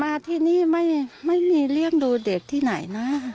มาที่นี่ไม่มีเลี้ยงดูเด็กที่ไหนนะ